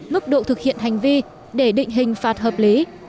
mức độ thực hiện hành vi để định hình phạt hợp lý